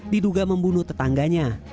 diduga membunuh tetangganya